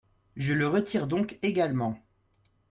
Je le retire donc également.